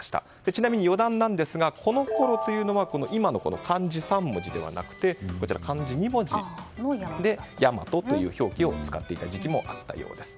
ちなみに余談ですがこのころというのは今の漢字３文字ではなくて漢字２文字で大和という表記を使っていた時期もあったようです。